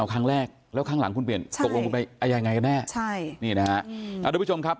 ภาษาคังแรกแล้วครั้งหลังพูดเปลี่ยนตกลงไปยังไงกันแน่